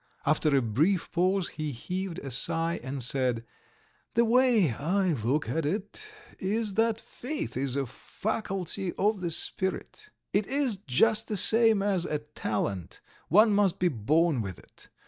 After a brief pause he heaved a sign and said: "The way I look at it is that faith is a faculty of the spirit. It is just the same as a talent, one must be born with it.